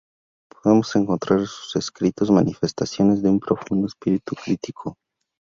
Podemos encontrar en sus escritos manifestaciones de un profundo espíritu crítico.